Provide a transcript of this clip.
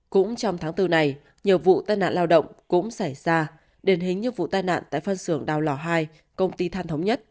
cũng trong tháng bốn này nhiều vụ tai nạn lao động cũng xảy ra đền hình như vụ tai nạn tại phân xưởng đào lò hai công ty than thống nhất